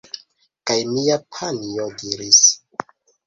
Kaj mia panjo diris: